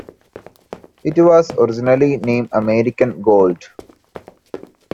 It was originally named American Gold.